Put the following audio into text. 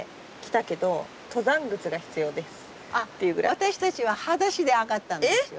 私たちははだしで上がったんですよ。